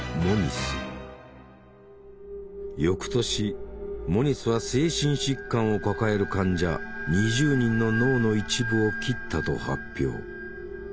翌年モニスは精神疾患を抱える患者２０人の脳の一部を切ったと発表。